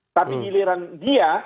tapi giliran dia